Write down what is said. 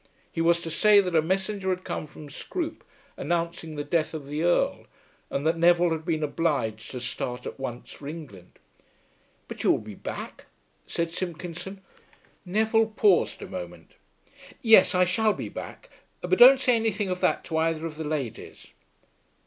He was to say that a messenger had come from Scroope announcing the death of the Earl, and that Neville had been obliged to start at once for England. "But you will be back?" said Simpkinson. Neville paused a moment. "Yes, I shall be back, but don't say anything of that to either of the ladies."